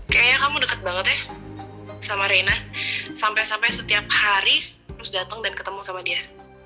kayaknya kamu deket banget ya sama reina sampai sampai setiap hari terus datang dan ketemu sama dia